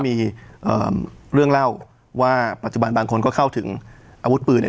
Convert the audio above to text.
มีเรื่องเล่าว่าปัจจุบันบางคนก็เข้าถึงอาวุธปืนเนี่ย